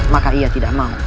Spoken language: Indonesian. maka ia tidak mau